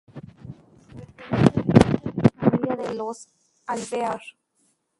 Pertenece a la histórica familia de los Alvear.